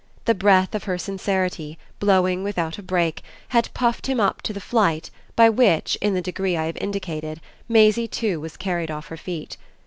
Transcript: The breath of her sincerity, blowing without a break, had puffed him up to the flight by which, in the degree I have indicated, Maisie too was carried off her feet.